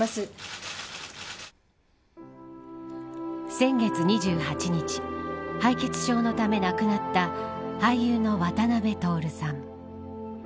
先月２８日敗血症のため亡くなった俳優の渡辺徹さん。